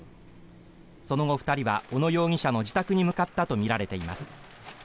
その後２人は小野容疑者の自宅に向かったとみられています。